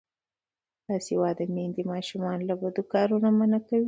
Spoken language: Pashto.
باسواده میندې ماشومان له بدو کارونو منع کوي.